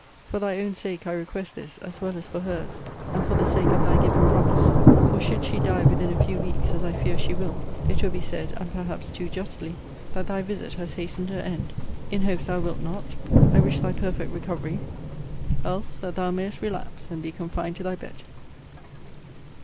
For thy own sake I request this, as well as for her's, and for the sake of thy given promise: for, should she die within a few weeks, as I fear she will, it will be said, and perhaps too justly, that thy visit has hastened her end. In hopes thou wilt not, I wish thy perfect recovery: else that thou mayest relapse, and be confined to thy bed.